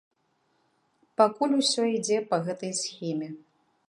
Пакуль усё ідзе па гэтай схеме.